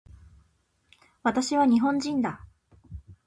私は日本人だ